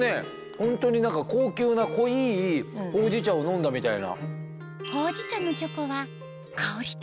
ホントに何か高級な濃いほうじ茶を飲んだみたいな。